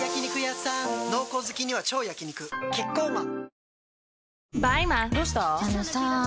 濃厚好きには超焼肉キッコーマン